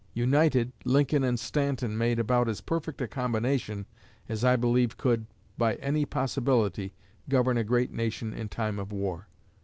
United, Lincoln and Stanton made about as perfect a combination as I believe could, by any possibility, govern a great nation in time of war....